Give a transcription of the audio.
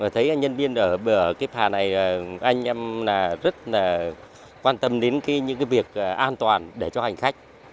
thấy nhân viên ở kiếp hà này anh em rất là quan tâm đến những việc an toàn để cho hành khách